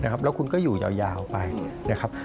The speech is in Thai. แล้วคุณก็อยู่ยาวไปนะครับ